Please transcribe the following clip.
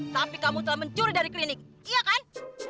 tapi kamu telah mencuri dari klinik iya kan